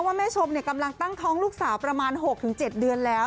แม่ชมกำลังตั้งท้องลูกสาวประมาณ๖๗เดือนแล้ว